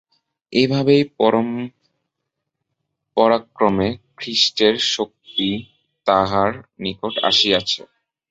এইভাবেই পরম্পরাক্রমে খ্রীষ্টের শক্তি তাঁহার নিকট আসিয়াছে।